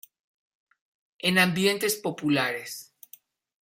En ambientes populares.